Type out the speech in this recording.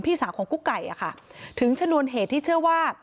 สาวของกุ๊กไก่อะค่ะถึงชนวนเหตุที่เชื่อว่า